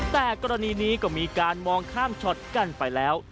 แต่กรณีนี้ก็มีการมองข้ามช็อตกันไปแล้ว